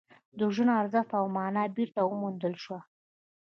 د ژوند ارزښت او مانا بېرته وموندل شوه